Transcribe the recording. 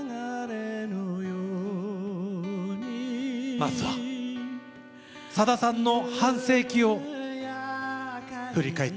まずはさださんの半世紀を振り返ってみましょう。